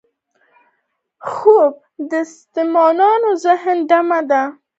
خوب د ستومانه ذهن دمه ده